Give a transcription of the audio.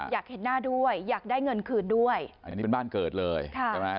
อยากเห็นหน้าด้วยอยากได้เงินคืนด้วยอันนี้เป็นบ้านเกิดเลยค่ะใช่ไหม